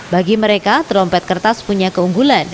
bagi mereka trompet kertas punya keunggulan